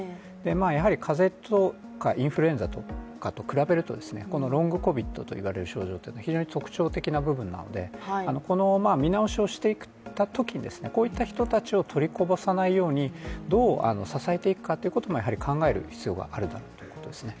やはり風邪とかインフルエンザとかと比べるとロングコビッドと呼ばれる症状非常に特徴的な部分なのでこの見直しをしていくとき、こういった人たちを取りこぼさないようにどう支えていくかということも考える必要があるということですね。